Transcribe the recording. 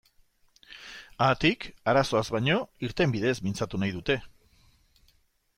Haatik, arazoaz baino, irtenbideez mintzatu nahi dute.